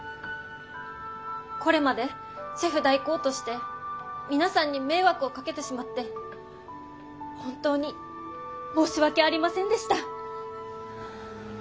これまでシェフ代行として皆さんに迷惑をかけてしまって本当に申し訳ありませんでした。